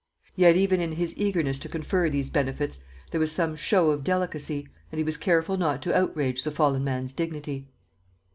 Yet even in his eagerness to confer these benefits there was some show of delicacy, and he was careful not to outrage the fallen man's dignity.